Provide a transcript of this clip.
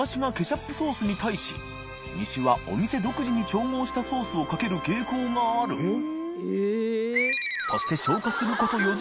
お店独自に調合したソースをかける傾向がある磴修靴董帖